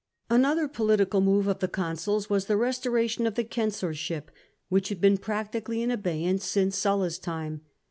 Another political move of the consuls was the restora tion of the Censorship, which had been practically in abeyance since Sulla's time.